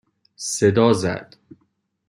صدا زد